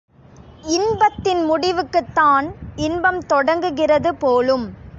இன்பத்தின் முடிவுக்குத்தான் இன்பம் தொடங்குகிறது போலும்!